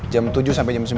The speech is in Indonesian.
jam tujuh sampai jam sembilan